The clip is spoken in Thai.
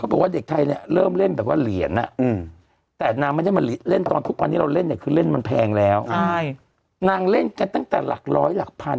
เอาน่าแล้วเขามีธุรกิจของครอบครัวด้วย